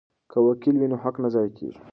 که وکیل وي نو حق نه ضایع کیږي.